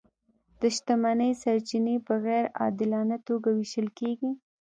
د شتمنۍ سرچینې په غیر عادلانه توګه وېشل کیږي.